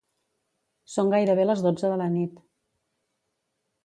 Són gairebé les dotze de la nit.